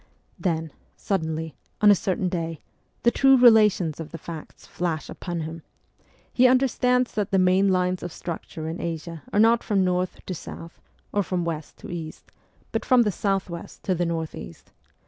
Then, suddenly, on a certain day, the true relations of the facts flash upon him ; he understands that the main lines of structure in Asia are not from north to south or from west to east, but from the south west to the north east.